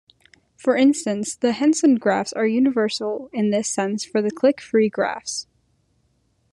For instance, the Henson graphs are universal in this sense for the -clique-free graphs.